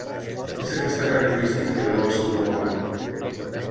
És aquesta característica que dóna el seu nom al grup.